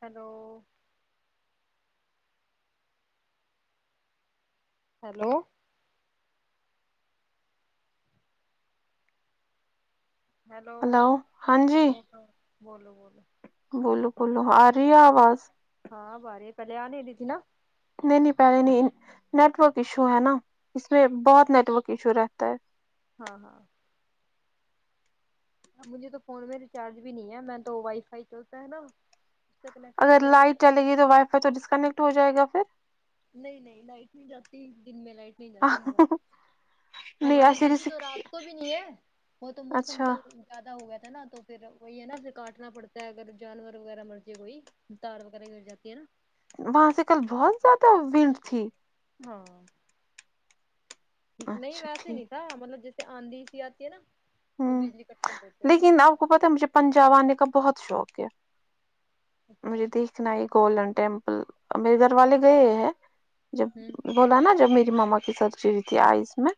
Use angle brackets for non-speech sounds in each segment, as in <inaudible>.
hello hello hello hello ہاں بولو بولو بول بولو ارہی ہے آواز ہاں اب ا رہی ہے پہلے آ نہی رہی تھی نہ نہیں نہیں پہلے نہیں نیٹورک ایشو ہے نا اس میں بہت نیٹ ورک ایشو رہتا ہے ہاں ہاں مجھے تو فون میں ریچارج بھی نہیں ہے میں تو وائی فائی چلتا ہے نا سے کنیکٹ اگر کیا لائٹ ہوا چل گی تو وائی فائی تو ڈسکنیکٹ ہو جائے گا پھر نہیں نہیں لائٹ نہیں جاتی دن میں لائٹ نہیں جاتی ہمار نہیں ہمارے ایسے جاتی جیسے تو رات کو بھی نہیں ہے وہ تو موسم اچھا کل زیادہ ہو گیا تھا نا تو پھر وہی ہے نا پھر کاٹنا پڑتا ہے اگر جانور وغیرہ مرضی کوئی تار وغیرہ گر جات ہے نا وہاں سے کل بہت زیادہ ونڈ تھی ہاں نہیں اچھا ویسے ٹھیک نہیں تھا مطلب جس آندی سی آتی ہے نا تو ہوں بجلی کٹ کر دیتی ہیں لیکن آپ کو پتہ ہے مجھے پنجاب آنے کا بہت شوق ہے مجھے اچھا دیکھ اکھنا ہی گولڈن ٹیمپل امیر گھر والے گئے ہے جب ہوں بولا نا جب میری ماما کی سرجری تھی آئی اس میں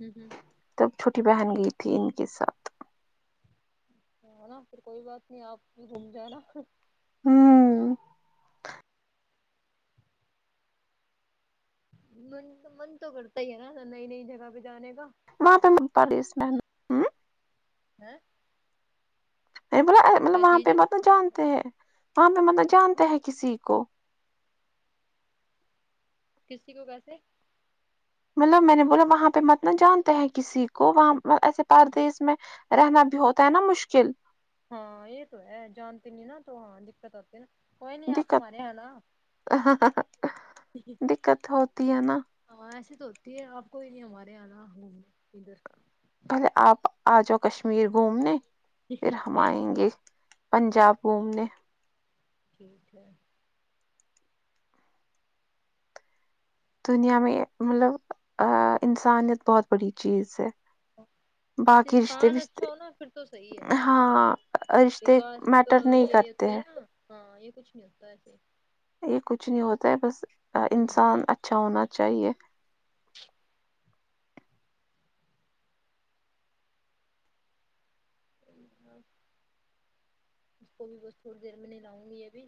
ہوں ہوں تب چھوٹی بہن گئی تھی ان کے ساتھ نا پھر کوئی بات نہیں آپ بھی گھوم جائ نا ہوں من تو من تو کرتا ہی ہے نا نئی نئی جگہ پہ جانے کا وہاں پہ مت ڈالئے اس م ہاں نہیں بولا مطلب کیا وہاں چیز پہ مطلب جانتے ہیں وہاں پہ مطلب جانتے ہیں کسی کو کسی کو کیسے مطلب میں نے بولا وہاں پہ متل جانتے ہیں کسی کو وہاں ایسے پردیس میں رہنا بھی ہوتا ہے نا مشکل ہاں یہ تو ہے جانتے نہیں نا تو ہاں دقت آتی نا کوئی نہیں آپ ہمارے ہے نا دقت دقت ہوتی ہے نا ہماسے تو ہوتی ہے آپ کوئی نہیں ہمارے یہاں نا گھومنے ادھر پہلے آپ آ جاؤ کشمیر گھومنے پھر ہم آئیں گے پنجاب گھوم نے ٹھیک ہے دنیا میں مطلب ا انسانیت بہت بڑی چیز ہے ہاں بس باقی رشتے انسان اچھا وشتے ہونا پھر تو صحیح ہے ہاں رشتے وکاس میٹر نہیں یہ کرتے ہیں کہا ہاں یہ کچھ ملتا ہے ایسے یہ کچھ نہیں ہوتا ہے بس ا ہوں انسان اچھا ہونا چاہیے جی ہاں اس کو بھی بس تھوڑی دیر میں نہیں لاؤں گی یہبھی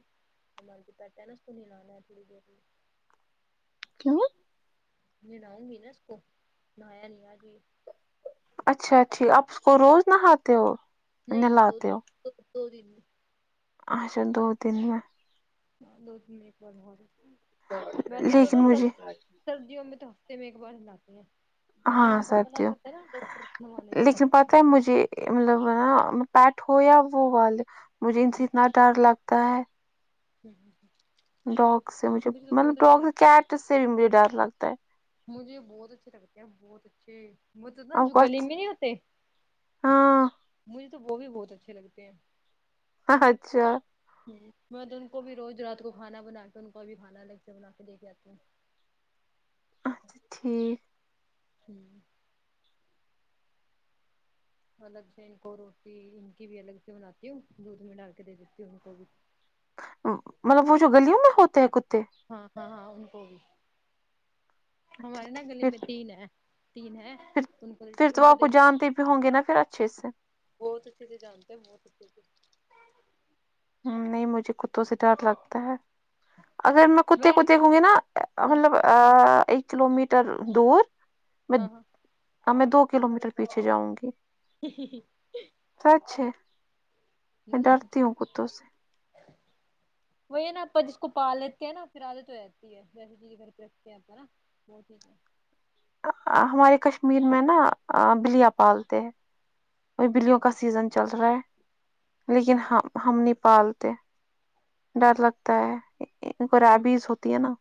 سال کے پتا ہے نا اس کو کنہیں لانا ہے تھوڑی دیر میں کیوں نہلاونگی نا اس کو نایا نہیں آج اچھا اچھا آپ اس کو روز نہہ خاتے ہو نہیں دو نہلاتے ہو دو دو دن اچھا دو دن میں <unintelligible> ویسے تو لیکن نا سر مجھے سردیوں میں تو ہفتے میں ایک بار ہلاتی ہیں کیونکہ ہاں ان کو پتہ سردیوں کرتے ہے نا ڈاکٹرنوانے سے بھی لیکن پتہ مجھے مطلب پاٹ ہو یا وہ والے مجھے ان سے اتنا ڈر لگتا ہے ہوں ہوں ہوں ڈاگ سے تو مجھے تو مطلب بہت ڈاگ اچھے سے لگتے ہیں کیٹ سے بھی مجھے ڈر لگتا ہے مجھے بہت اچھے لگتے ہیں بہت اچھے وہ تو نا آپ جو کو گلی اچھ- میں نہیں ہوتے ہاں مجھے تو وہ بھی بہت اچھے لگتے ہیں ہا اچھا میں تو ان کو بھی روز رات کو کھانا بنا کے ان کو بھی کھانا الگ سے بنا کے دے کے آتی ہوں اچھا ٹھیک ہوں الگ سے ان کو روٹی ان کی بھی الگ سے بناتی ہوں دودھ میں ڈال کے دے دیتی ہوں ان کو بھی مطلب وہ جو گلیوں میں ہوتے ہیں کتے ہاں ہاں ہاں ان کو بھی اچھا ہمارے نا ٹھیک گلی پھر میں تین ہے تین ہیں پھر ان کو پھر ان تو کو آپ جانتے بھی ہوں گے نا پھر اچھے سے بہت اچے سے جانتے ہیں بہت اچھے سے نہیں مجھے کتوں سے ڈر لگتا ہے اگر میں کتے کتے ہووں گئے نا ہاں مطلب ا ایک کلو میٹر ایدور ہاں ہاں میں دو کلو میٹر پیچھے جاؤں گی سچھ ہے میں مجھے تو ڈرتی ہوں کتوں سے وہی ہے نا آپ جس کو پال لیتے ہیں نا پھر عادت ہو رہتی ہے جیسی چیز گھر کے رکھتے ہیں آپ نا وہ ٹھیک ہے ہمارے کشمیر میں نا بلیا پالتے ہیں وہ بلیوں کا سیزن چل رہا ہے لیکن ہاں ہم نہیں پالتے ڈر لگتا ہے خرابیز ہوتی ہے نا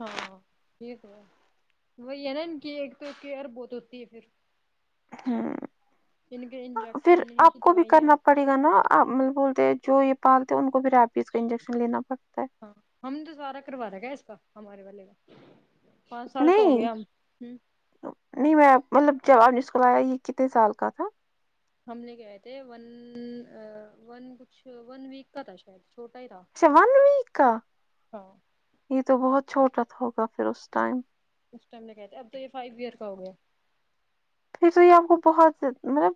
ہاں یک ہے وہی ہے نا کی ایک تو کیئر بہت ہوتی ہے پھر ان کے ہمم پھر انجیکشن ان آپ کی کو بھی دوائیاں کرنا پڑتا ا نا مطلب بولتے ہیں جو یہ پالتے ہیں ان کو بھی ریپیز کا انجیکشن لینا پڑتا ہے ہاں ہم دوبارہ کروا رہے گ اس کا ہمارے والے کا پانچ سال کا ہو نہیں گیا ہم ہوں نہیں میں مطلب جب آپ نے اسکول آیا یہ کتنے سال کا تھا ہم نے کہئے تھے ون ون کچھ ون ویک کا تھا شاید چھوٹا ہی تھا اچھا ون ویک کا ہاں یہ تو بہت چھوٹا ہوگا پھر اس ٹائم اس ٹائم میں کہتے اب تو یہ فائیو ایئر کا ہو گیا پھیر تو آپ کو بہت مطلب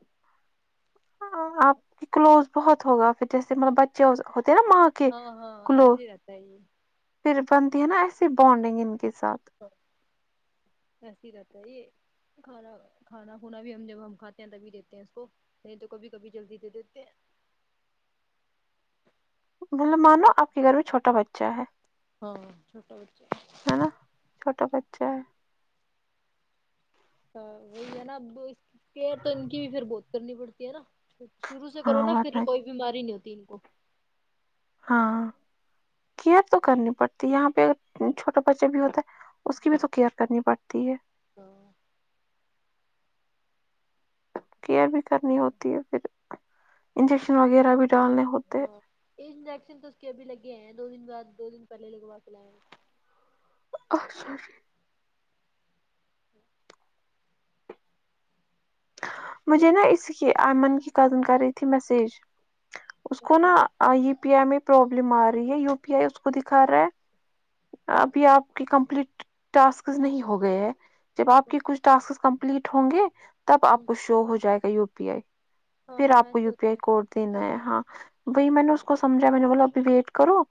آپ کی کلوز بہت ہوگا پھر جیسے مطلب بچے ہوتے ہیں نا ماں کے ہاں ہاں ایسے کلوز ہی رہتا ہے یہ پھر بنتی ہے نا ایسسی بانڈنگ ان کے ساتھ ایسی رہتا ہے یہ کھانا کھانا کھوا بھی ہم جب ہم کھاتے ہیں تبھی دیتے ہیں اس کو نہیں تو کبھی کبھی جلدی دے دیتے ہیں مطلب مانو آپ کے گھر میں چھوٹا بچہ ہے ہاں چھوٹا بچہ ہے نا چھوٹا بچہ ہے وہی ہے نا اب اس کے تو ان کی بھی پھر بہت کرنی پڑتی ہے نا شروع سے کرو ہاں نا پھر ورنہ کوئی بیماری نہیں ہوتی ان کو ہاں کیئر تو کرنی پڑتی یہاں پہ چھوٹے بچے بھی ہوتا ہے اس کی بھی تو کیئر کرنی پڑتی ہے تو کیئر بھی کرنی ہوتی ہے پھر انجیکشن وغیرہ بھی ڈالنے ہوتے ا انویکسن تو اس کے ابھی لگےئے ہیں دو دن بعد دو دن پہلے لگوا کے ہیں اچھا مجھے نا اس کی ایمن کی کزن کر رہی تھی میسج اس کو اچھا نا اچھا یو پی آئی میں پروابلم آ رہی ہے یو پی آئی اس کو دکھا رہا ہے ابھی آپ کے کمپلیٹ ٹاسک نہیں ہو گئے ہیں جب آپ کے کچھ ٹاسک کمپلیٹ ہوں گے تب آپ ہوں کو شو ہو جائے گا یو پی آئی ہاں پھر ہاں آپ کو ایسے یو پی ہوتا آئی ہے کوڈ دینا ہے ہاں وہی میں نے اس کو سمجا میں نے بو ابھی ویٹ کرو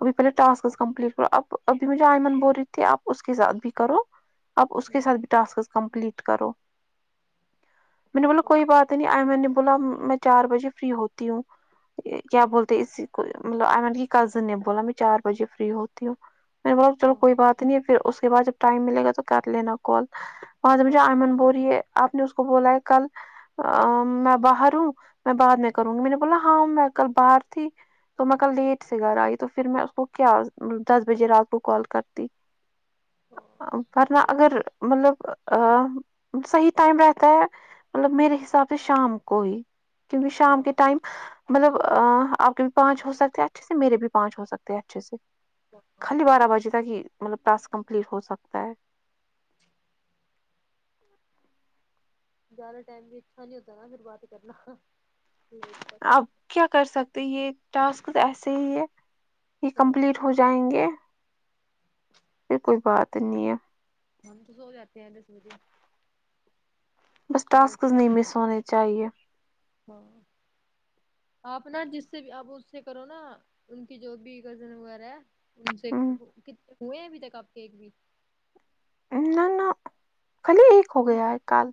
ابھی پہلےٹاسکس کمپلیٹ کرو اب ابھی مجھے آئمن بول رہی تھی آپ اس کے ساتھ بھی کرو اب اس کے ہوں ساتھ بھی ٹیکس بھی کمپلیٹ کرو میں نے بولا ہاں کوئی بات نہیں میں نے بولا میں چار بجے فری ہوتی ہوں کیا اچھا بولتے اسی کو مطلب آئی م کی کزن نے بولا میں چار بجے فری ہوتی ہوں میں ب چلو ہاں کوئی بات نہیں ہے پھر اس کے بعد جب ٹائم ملے گا تو کر لینا کال وہاں سے مھا ہاں آئمن بول رہی ہے آپ نے اس کو بولا ہے کل میں باہر ہوں میں بعد میں کروں گی میں نے بولا ہاں میں کل باہر تھی تو میں کل لیٹ سے گھر آئی تو پھر میں اس کو کیا دس بجے رات کو کال کرتی پھرنہ اگر مطلب ا صحیح ٹائم رہتا ہے مطلب میرے حساب سے شام کو ہی کیونکہ شام ہاں کے ٹائم مطلب آپ کے بھی پانچ ہو سکتے ہیں اچھے سے میرے بھی پانچ ہو سکتے ہیں اچھے سے ہاں خالی بارہ بجے تک ہی مطلب ٹاسک کمپلیٹ ہو سکتا ہے زیاد ٹائم بھی اچھا نہیں ہوتا نا پھر بات کرنا ت آپ کیا کر سکتے یہ ٹاسک تو ایسے ہی ہے یہ ہاں کمپلیٹ ہو جائیں گے پھر کوئی بات نہیں ہے ہم تو سو جاتے ہیں دس وج بس ٹاسکز نہیں ساڑھے دس مس ہونے چاہیے ہاں آپ نا جس سے بھی آپ اس سے کرو نا ان کی جو بھی کزن وغیرہ ہے ان سے ہوئے ہیں ابھی تک ایک بھی نہ نہ خالی ایک ہو ان گیا ہے کال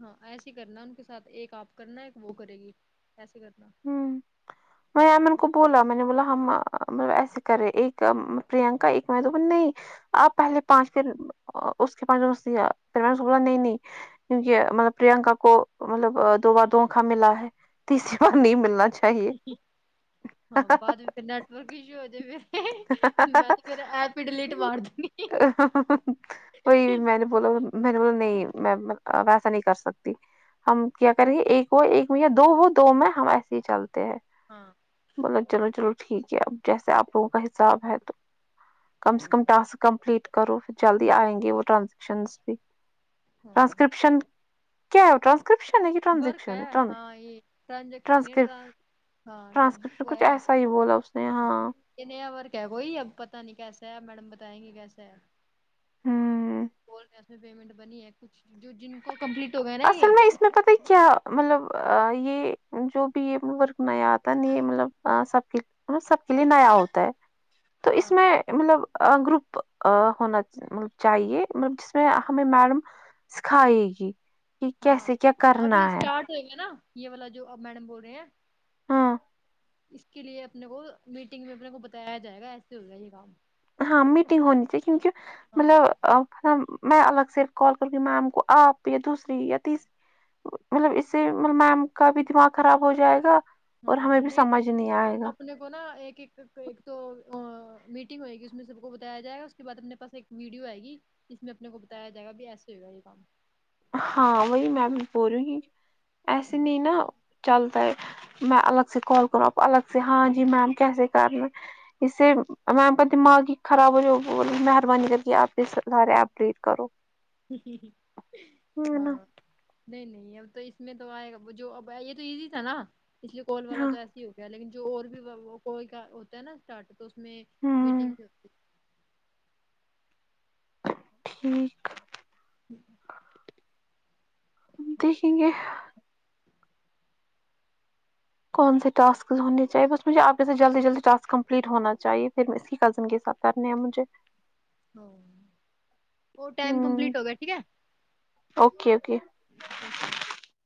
ہاں ایسے ہی کرنا ان کے ساتھ ایک آپ کرنا ایک وہ کرے گی ایسے کرنا میں امن کو بولا میں نے بولا ہم مطلب ایسے کرے ایک پررینکا ایک میں تو نہیں آپ پہلے پانچ پھر اس کے پچ پھر میں نے بولا نہیں نہیں کیونکہ مطلب پررینکا کو مطلب دو بار دھونکھا ملا ہے تیسری بار نہیں ملنا چاہ ہاں بعد میں پھر نیٹورک ایشو ہو جائے پھر میں تو پھر ایپ ہی ڈلیٹ مار دی بولو میں نے بولا نہیں میں ویسا نہیں کر سکتی ہم کیا کریں گے ایک ہو ایک میں یا دو ہو دو میں ہم ایسے ہی چلتے ہیں ہاں بول چلو چلو ٹھیک ہے اب جیسے آپ لوگوں کا حساب ہے تو کم سے کم ٹاسک کمپلیٹ کرو پھر جلدی آئیں گے وہ ٹرانزیکشنس بھی ہاں ٹرانسکرپشن کیا ہوتا ہے شن ہے ورک ٹانزکشن ہے ہاں یہ ٹرانزیکشن ہے ٹانسکپ ٹران ہاں ٹرانز ٹرانسکرپشن وہ کچھ ہے ایسا ہی بولا اس نے ہاں یہ نیا ورک ہے کوئی اب پتا نہیں کیسا ہے میڈم بتائیں گے کیسا ہے ہمم بول اس میں پیمنٹ بنی ہے کچھ جو جن کو کمپلیٹ ہو گئے نا یہ اصل نہیں میں پتہ کیا مطلب یہ جو بھی یہ ورک نیا آتا نا یہ مطلب سب ہاں سب کے لیے نیا ہوتا ہے تو اس ہاں میں مطلب گروپ ہونا ملب چاہیے جس میں ہمیں میڈم سکھائے گی کہ ہاں ہاں کیسے کیا اب کرنا یہ ہے اسٹارٹ ہو گا نا یہ والا جو اب میڈم بول رہے ہیں ہاں اس کے لیے اپنے کو میٹنگ میں اپنے کو بتایا جائے گا ایسے ہوگا یہ کام ہاں میٹنگ ہونی چاہیے کیونکہ ہاں مطلب میں الگ سے کال کرتی میم کو آپ یا دوسری یا تیسری مطلب اس سے ملب میم کا بھی دماغ خراب ہو جائے گا اور ہمیں ہاں بھی نہیں نہیں سمجھ آئے گا اپنے کو نہ ایک ایک ایک تو میٹنگ ہوئے گی اس میں سب کو بتایا جائے گا اس کے بعد اپنے پاس ایک ویڈیو آئے گی اس میں اپنے کو بتایا جائے گا بھی ایسے ہو گا یہ کام ہاں وہی میں بھی بول رہی ہوں کی ایسے نہیں نا چلتا ہے میں الگ سے کال کروں آپ الگ سے ہاں جی میم کیسے کر رہے اس سے میم کا دماغ ہی خراب ہو جائے مہربانی کر کے آپ سارے اپ ڈیٹ کرو ہے نا ہاں نہیں نہیں اب تو اس میں تو آئے گا جو ا یہ تو ایزی تھا نا اس لیے کال والا ہاں تو ایسا ہو گا لیکن جو اور بھی کوئی کا ہوتا ہے نا اسٹارٹ تو اس میں میٹنگ ہوں ہوتی ہوں دیکھیں گے کون سے ٹسکس ہونے چاہے بس مجھے آپ مے سے جلدی جلدی ٹس کمپلیٹ ہونا چاہیے پھر اس کی کزن کے ساتھ کرنے ہیں مجھے اور ٹائم ہ کمپلیٹ ہو گیا ٹھیک ہے اوکے اوکے ہے